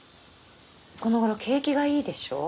このごろ景気がいいでしょ？